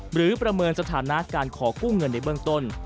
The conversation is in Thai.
ประเมินสถานะการขอกู้เงินในเบื้องต้น